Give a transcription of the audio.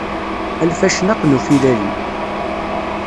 A lfacnaq n ufilali.